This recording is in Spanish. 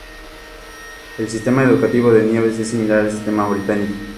El sistema educativo de Nieves es similar al sistema británico.